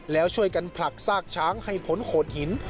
แล้วช่วยกันผลักซากช้างให้พ้นโขดหิน